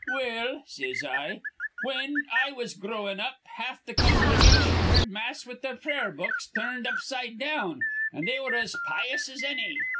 'Well,' says I, 'whin I was growin' up, half th' congregation heard mass with their prayer books tur rned upside down, an' they were as pious as anny.